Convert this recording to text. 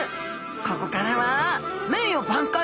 ここからは名誉挽回！